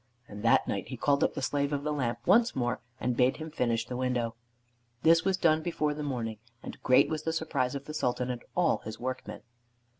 And that night he called up the Slave of the Lamp once more, and bade him finish the window. This was done before the morning, and great was the surprise of the Sultan and all his workmen.